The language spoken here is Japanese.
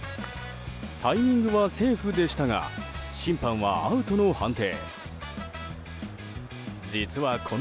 タイミングはセーフでしたが審判はアウトの判定。